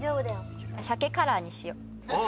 鮭カラーにしよう。